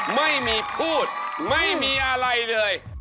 ไม่มีพูดไม่มีอะไรเลย